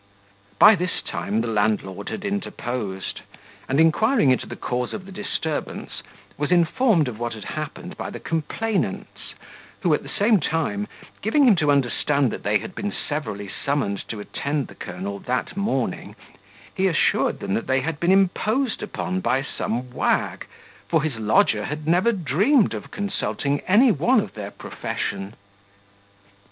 By this time the landlord had interposed; and, inquiring into the cause of the disturbance, was informed of what had happened by the complainants, who, at the same time, giving him to understand that they had been severally summoned to attend the colonel that morning, he assured them that they had been imposed upon by some wag, for his lodger had never dreamed of consulting any one of their profession.